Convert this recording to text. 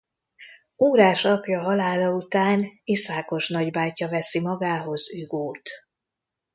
Órás apja halála után iszákos nagybátyja veszi magához Hugót.